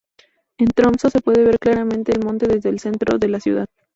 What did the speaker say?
En Tromsø se puede ver claramente el monte desde el centro de la ciudad.